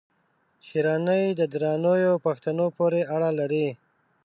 شېراني د درانیو پښتنو پوري اړه لري